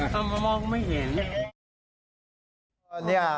ทำมามองไม่เห็น